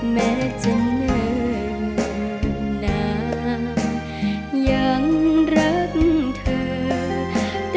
แม้จะเหนื่อยหล่อยเล่มลงไปล้องลอยผ่านไปถึงเธอ